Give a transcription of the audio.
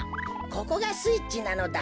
ここがスイッチなのだ。